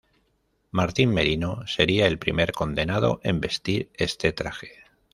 Martín Merino sería el primer condenado en vestir este traje.